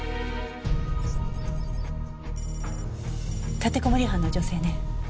立てこもり犯の女性ね。